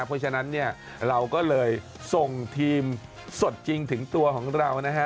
เพราะฉะนั้นเนี่ยเราก็เลยส่งทีมสดจริงถึงตัวของเรานะฮะ